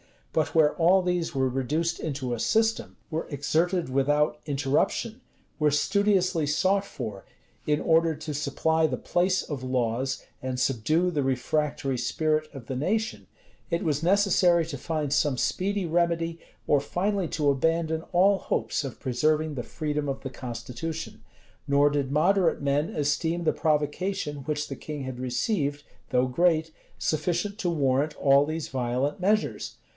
But where all these were reduced into a system, were exerted without interruption, were studiously sought for, in order to supply the place of laws, and subdue the refractory spirit of the nation, it was necessary to find some speedy remedy, or finally to abandon all hopes of preserving the freedom of the constitution. Nor did moderate men esteem the provocation which the king had received, though great, sufficient to warrant all these violent measures.